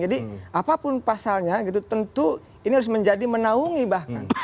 jadi apapun pasalnya gitu tentu ini harus menjadi menaungi bahkan